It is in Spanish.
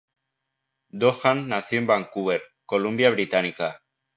Doohan nació en Vancouver, Columbia Británica.